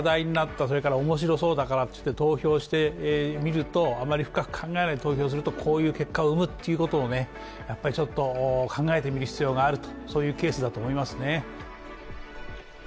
それから面白そうだからっていって投票してみると、あまり深く考えないで投票するとこういう結果を生むということを考えてみる必要があるとそういうケースだと思いますね。